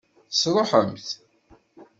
Tesṛuḥemt-t?